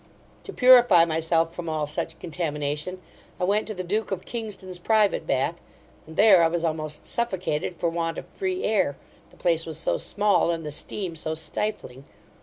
To purify myself from all such contamination, I went to the duke of Kingston's private Bath, and there I was almost suffocated for want of free air; the place was so small, and the steam so stifling.